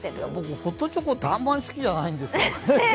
ホットチョコってあんまり好きじゃないんですよ。